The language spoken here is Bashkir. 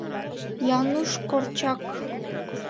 Януш КОРЧАК.